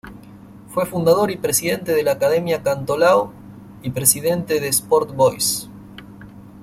Fue fundador y presidente de la Academia Cantolao y presidente de Sport Boys.